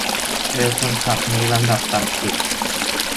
เอ้อ คนขับนี่ลำดับต่ำสุด